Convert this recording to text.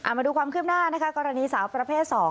มาดูความขึ้นหน้ากรณีสาวประเภท๒